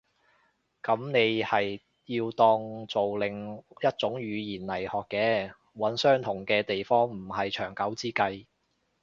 噉你係要當做另一種語言來學嘅。揾相同嘅地方唔係長久之計